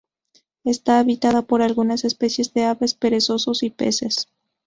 Está habitada por algunas especies de aves, perezosos y peces.